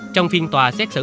trong phiên tòa xét xử